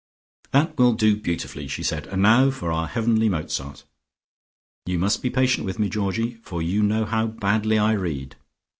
"That will do beautifully," she said. "And now for our heavenly Mozart. You must be patient with me, Georgie, for you know how badly I read.